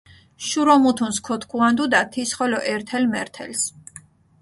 შურო მუთუნს ქოთქუანდუდა, თის ხოლო ერთელ-მერთელს.